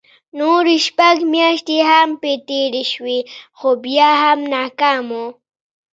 نورې شپږ مياشتې هم پرې تېرې شوې خو بيا هم ناکام وو.